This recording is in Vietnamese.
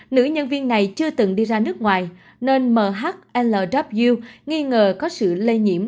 nữ nhân viên này chưa từng đi ra nước ngoài nên mhlw nghi ngờ có sự lây nhiễm